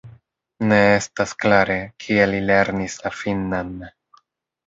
Ne estas klare, kie li lernis la finnan.